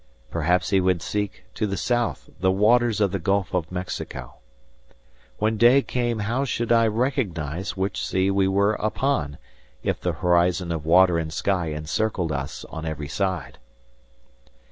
Perhaps he would seek, to the south, the waters of the Gulf of Mexico. When day came how should I recognize which sea we were upon, if the horizon of water and sky encircled us on every side?